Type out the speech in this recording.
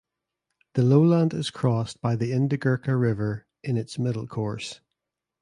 The lowland is crossed by the Indigirka River in its middle course.